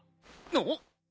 あっ！